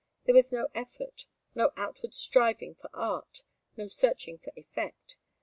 There was no effort, no outward striving for art, no searching for effect.